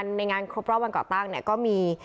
ในงานครบรอบวันก่อกตั้งก็มี